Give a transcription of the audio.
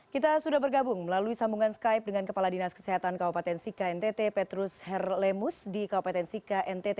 kita sudah bergabung melalui sambungan skype dengan kepala dinas kesehatan kabupaten sika ntt petrus herlemus di kabupaten sika ntt